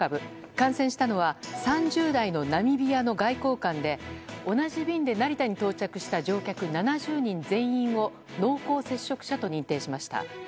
感染したのは３０代のナミビアの外交官で同じ便で成田に到着した乗客７０人全員を濃厚接触者と認定しました。